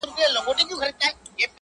د هندو او مرهټه په جنګ وتلی؛